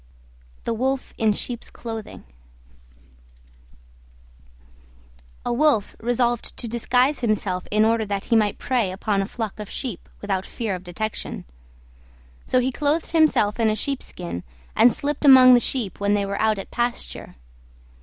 THE WOLF IN SHEEP'S CLOTHING A Wolf resolved to disguise himself in order that he might prey upon a flock of sheep without fear of detection. So he clothed himself in a sheepskin, and slipped among the sheep when they were out at pasture.